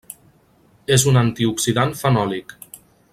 És un antioxidant fenòlic.